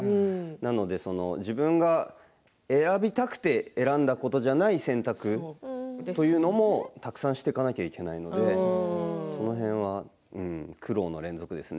なので自分が選びたくて選んだことではない選択というのもたくさんしていかなくてはいけないのでその辺は苦労の連続ですね。